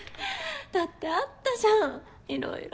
だってあったじゃんいろいろ。